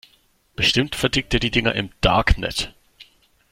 Bestimmt vertickt er die Dinger im Darknet.